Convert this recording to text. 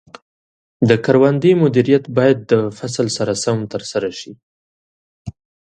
د کروندې مدیریت باید د فصل سره سم ترسره شي.